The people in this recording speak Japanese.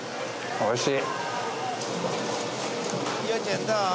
おいしい？